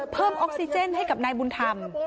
เพิ่มออกซิเจนให้กับนายบุญธรรม